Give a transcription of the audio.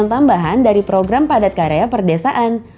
dan hasil tambahan dari program padat karya perdesaan